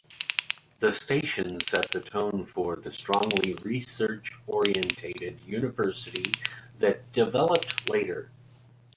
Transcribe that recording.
The station set the tone for the strongly research-oriented university that developed later.